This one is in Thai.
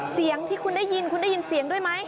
เสียงที่คุณได้ยินคุณได้ยินเสียงด้วยไหม